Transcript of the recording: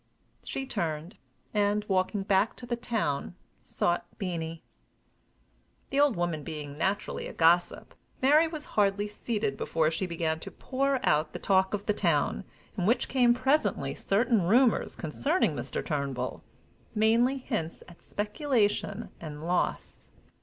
She turned, and, walking back to the town, sought Beenie. The old woman being naturally a gossip, Mary was hardly seated before she began to pour out the talk of the town, in which came presently certain rumors concerning Mr. Turnbull mainly hints at speculation and loss.